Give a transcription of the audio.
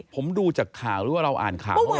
ผมดูจากข่าวหรือว่าเราอ่านข่าวเมื่อวาน